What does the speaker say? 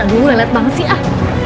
aduh lelet banget sih